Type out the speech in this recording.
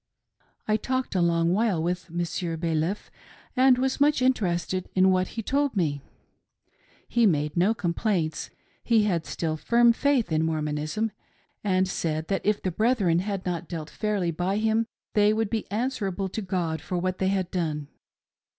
I talked a long while with Monsieur Baliff, and was much interested in what he told me. He made no complaints; he had still firm faith in Mormonism, and said that if the brethren had not dealt fairly by him they would be answerable to God for what they had done.